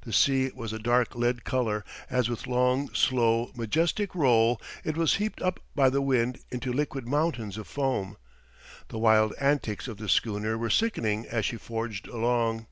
The sea was a dark lead color as with long, slow, majestic roll it was heaped up by the wind into liquid mountains of foam. The wild antics of the schooner were sickening as she forged along.